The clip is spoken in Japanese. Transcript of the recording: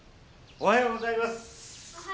おはようございます。